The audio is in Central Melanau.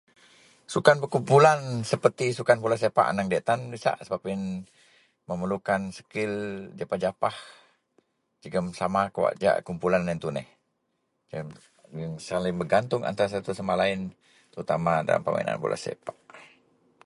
Sukan berkumpulan seperti sukan bolasepak aneng diak tan nisak sebab yen memerlukan skil japah-japah jegum sama kawak jahak kumpulan loyen tuneh jegum saling bergatung antara satu sama lain dalam terutama dalam permainan bolasepak.